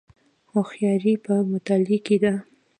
هوښیاري په مطالعې کې ده